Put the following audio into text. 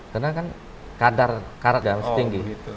karena kan kadar karatnya masih tinggi